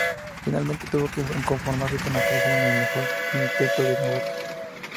Finalmente tuvo que conformarse con aparecer en el mejor quinteto de novatos.